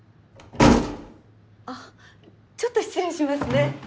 ・あっちょっと失礼しますね。